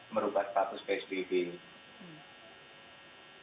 mengangkat perangkat yang tidak ada